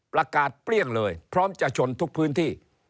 เปรี้ยงเลยพร้อมจะชนทุกพื้นที่